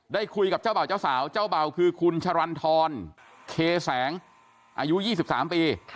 ได้คุยกับเจ้าบ่าวเจ้าสาวเจ้าเบ่าคือคุณชรันทรเคแสงอายุ๒๓ปี